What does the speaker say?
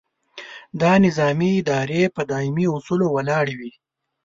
دا نظامي ادارې په دایمي اصولو ولاړې وي.